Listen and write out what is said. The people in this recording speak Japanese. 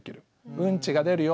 うんちが出るよ